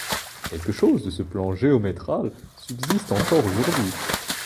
Quelque chose de ce plan géométral subsiste encore aujourd'hui.